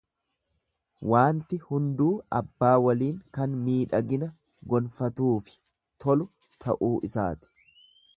Waanti hunduu abbaa waliin kan miidhagina gonfatuufi tolu ta'uu isaati.